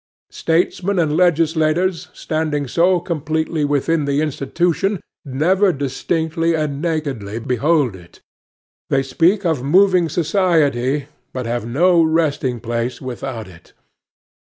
Statesmen and legislators, standing so completely within the institution, never distinctly and nakedly behold it. They speak of moving society, but have no resting place without it.